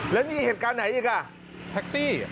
แล้วมีเหตุการณ์ไหนอีก